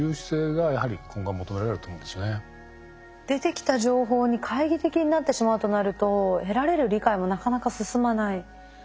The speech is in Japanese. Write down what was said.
出てきた情報に懐疑的になってしまうとなると得られる理解もなかなか進まない。